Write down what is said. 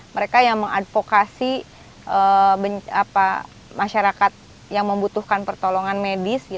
mereka yang mengadvokasi masyarakat yang membutuhkan pertolongan medis